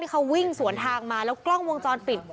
เขาวิ่งสวนทางมาแล้วกล้องวงจรปิด